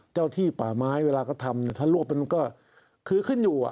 เจ้าที่ป่าไม้เวลาก็ทำถ้ารวบมันก็คือขึ้นอยู่